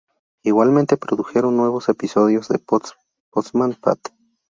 Igualmente produjeron nuevos episodios de "Postman Pat".